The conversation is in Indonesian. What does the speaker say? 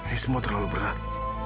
ini semua terlalu berat